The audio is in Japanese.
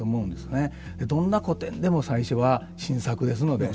どんな古典でも最初は新作ですので。